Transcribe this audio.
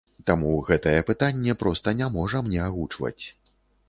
Таму гэтае пытанне проста не можам не агучваць.